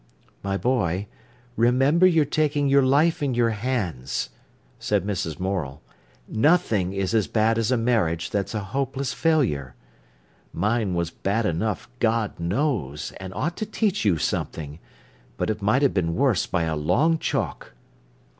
"My boy, remember you're taking your life in your hands," said Mrs. Morel. "Nothing is as bad as a marriage that's a hopeless failure. Mine was bad enough, God knows, and ought to teach you something; but it might have been worse by a long chalk."